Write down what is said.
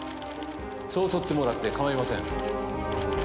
そう取ってもらって構いません。